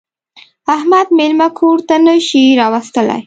احمد مېلمه کور ته نه شي راوستلی.